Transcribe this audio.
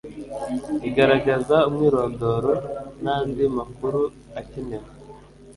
igaragaza umwirondoro n andi makuru akenewe